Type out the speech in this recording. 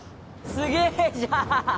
すげえじゃん！